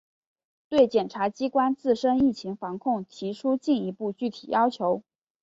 对检察机关自身疫情防控提出进一步具体要求